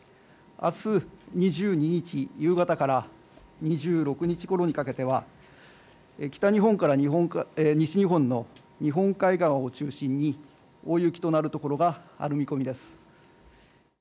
あす２２日夕方から、２６日ごろにかけては、北日本から西日本の日本海側を中心に、大雪となる所がある見込みです。